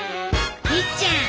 いっちゃん